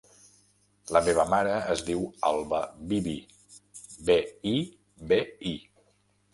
La meva mare es diu Alba Bibi: be, i, be, i.